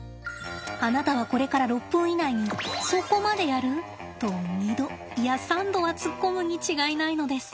あなたはこれから６分以内に「そこまでやる？」と２度いや３度は突っ込むに違いないのです。